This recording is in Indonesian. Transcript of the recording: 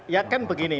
ya ya kan begini